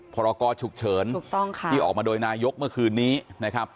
พรกรฉุกเฉินถูกต้องค่ะที่ออกมาโดยนายกเมื่อคืนนี้นะครับ